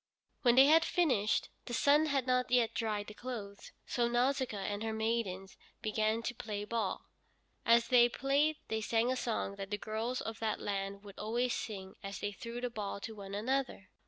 When they had finished, the sun had not yet dried the clothes, so Nausicaa and her maidens began to play ball. As they played they sang a song that the girls of that land would always sing as they threw the ball to one another.